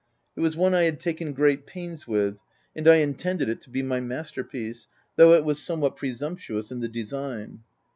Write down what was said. It was one I had taken great pains with, and I intended it to be my master piece, though it was somewhat presumptuous in the design.